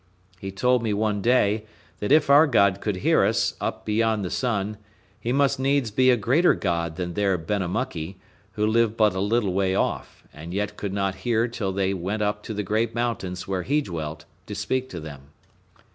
He told me one day, that if our God could hear us, up beyond the sun, he must needs be a greater God than their Benamuckee, who lived but a little way off, and yet could not hear till they went up to the great mountains where he dwelt to speak to them.